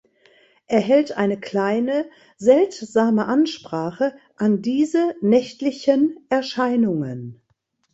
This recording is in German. Er hält eine kleine seltsame Ansprache an diese nächtlichen Erscheinungen.